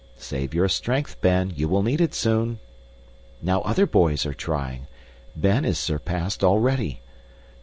Save your strength, Ben, you will need it soon. Now other boys are trying! Ben is surpassed already.